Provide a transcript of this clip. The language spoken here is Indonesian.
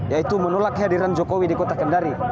yaitu menolak kehadiran jokowi di kota kendari